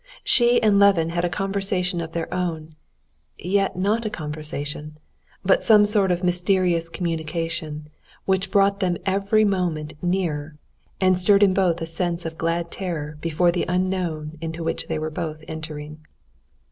She and Levin had a conversation of their own, yet not a conversation, but some sort of mysterious communication, which brought them every moment nearer, and stirred in both a sense of glad terror before the unknown into which they were entering.